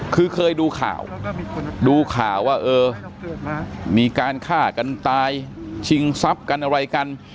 คือเคยดูข่าวดูข่าวว่าเออมีการฆ่ากันตายชิงทรัพย์กันอะไรกัน